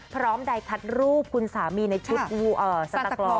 พร้อมได้คัดรูปคุณสามีในชุดเอ่อสนัสเตอร์ขอร์ส